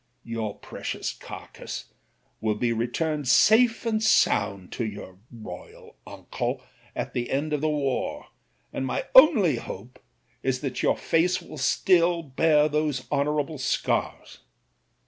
Your precious carcass will be returned safe and sound to your Royal uncle at the end of the war, and my only hope is that your face will still bear those honourable scars.